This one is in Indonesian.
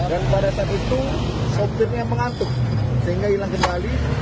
dan pada saat itu sopirnya mengantuk sehingga hilang kembali